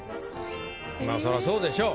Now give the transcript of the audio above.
そらそうでしょう。